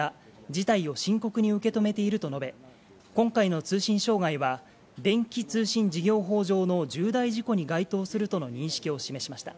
事態を深刻に受け止めていると述べ、今回の通信障害は、電気通信事業法上の重大事故に該当するとの認識を示しました。